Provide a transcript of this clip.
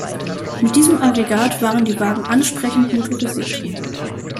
Mit diesem Aggregat waren die Wagen ansprechend motorisiert.